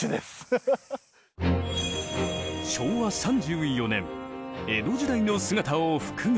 昭和３４年江戸時代の姿を復元。